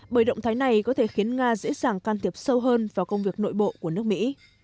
bởi động thái này có thể khiến nga dễ dàng can thiệp sâu hơn vào công việc nội bộ của nước mỹ